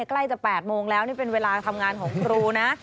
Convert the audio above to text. ใกล้จะ๘โมงแล้วนี่เป็นเวลาทำงานของครูนะ